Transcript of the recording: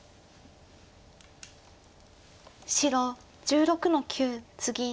白１６の九ツギ。